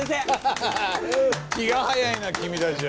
ハハハハ気が早いな君たちは。